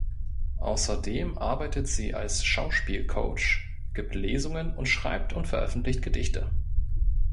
Außerdem arbeitet sie als Schauspielcoach, gibt Lesungen und schreibt und veröffentlicht Gedichte.